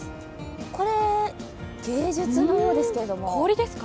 これ、芸術のようですけど。